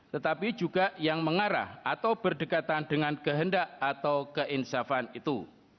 tetapi juga yang mengarah atau berdekatan dengan kehendak atau keinsafan itu